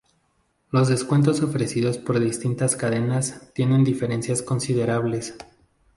Los descuentos ofrecidos por distintas cadenas tienen diferencias considerables.